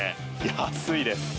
安いです！